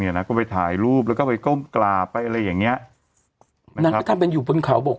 นางก็ไปถ่ายรูปแล้วก็ไปก้มกราบไปอะไรอย่างเงี้ยนางก็ทำเป็นอยู่บนเขาบก